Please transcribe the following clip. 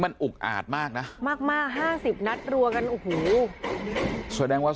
มันอุกอาดมากนะมากมากห้าสิบนัดรัวกันโอ้โหแสดงว่า